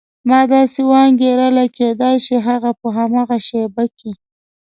ما داسې وانګېرله کېدای شي هغه په هماغه شېبه کې.